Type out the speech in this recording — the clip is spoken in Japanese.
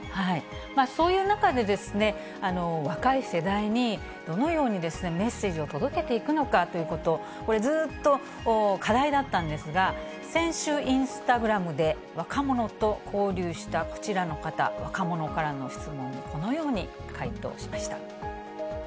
そういう中で、若い世代にどのようにメッセージを届けていくのかということ、これ、ずっと課題だったんですが、先週、インスタグラムで若者と交流したこちらの方、若者からの質問にこのように回答しました。